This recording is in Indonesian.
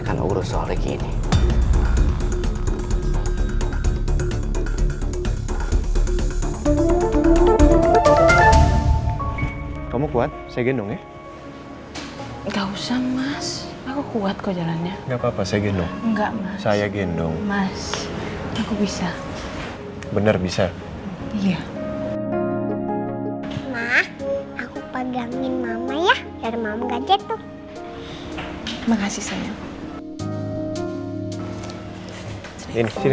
kau harus lawan aldebaran